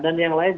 dan yang lain